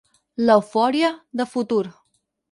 L'eufòria, de futur.